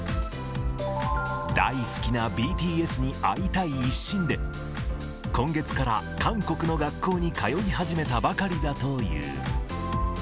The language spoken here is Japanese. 大好きなＢＴＳに会いたい一心で、今月から韓国の学校に通い始めたばかりだという。